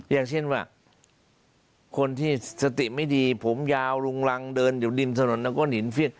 อย่างเช่นว่าคนที่สติไม่ดีผมยาวลุงรังเดินอยู่ริมถนนแล้วก็หินเฟียด